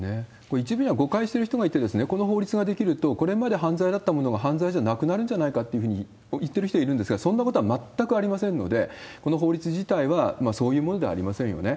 一部には誤解してる人がいて、この法律が出来ると、これまで犯罪だったものが犯罪じゃなくなるんじゃないかというふうに言ってる人いるんですが、そんなことは全くありませんので、この法律自体はそういうものではありませんよね。